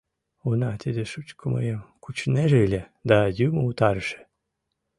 — Уна, тиде шучко мыйым кучынеже ыле, да юмо утарыше.